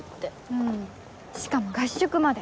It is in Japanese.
うんしかも合宿まで。